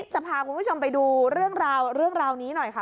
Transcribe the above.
จะพาคุณผู้ชมไปดูเรื่องราวนี้หน่อยค่ะ